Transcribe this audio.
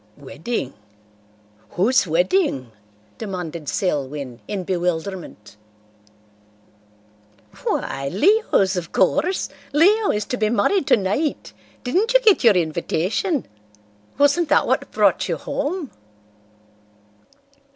"Wedding? Whose wedding?" demanded Selwyn, in bewilderment. "Why, Leo's, of course. Leo is to be married tonight. Didn't you get your invitation? Wasn't that what brought you home?"